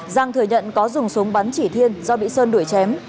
giang thừa nhận có dùng súng bắn chỉ thiên do bị sơn đuổi chém